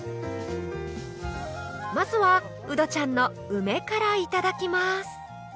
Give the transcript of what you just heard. まずはウドちゃんの「梅」からいただきます